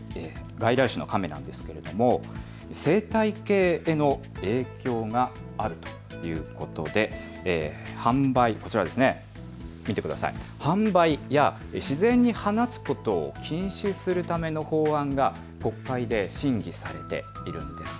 外来種のカメなんですけれども生態系への影響があるということでこちら、販売や自然に放つことを禁止するための法案が国会で審議されているんです。